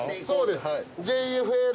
そうです。